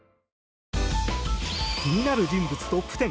気になる人物トップ１０。